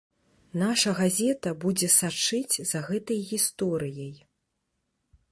Наша газета будзе сачыць за гэтай гісторыяй.